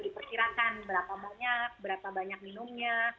diperkirakan berapa banyak berapa banyak minumnya